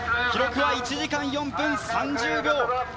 記録は１時間４分３０秒。